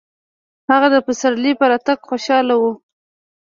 هغه د پسرلي په راتګ خوشحاله و.